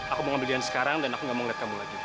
aku mau ambil yang sekarang dan aku gak mau ngeliat kamu lagi